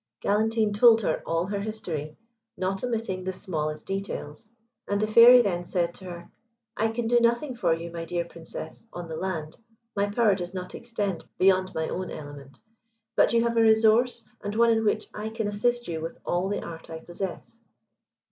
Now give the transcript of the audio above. Galantine told her all her history, not omitting the smallest details; and the Fairy then said to her, "I can do nothing for you, my dear Princess, on the land, my power does not extend beyond my own element; but you have a resource, and one in which I can assist you with all the art I possess.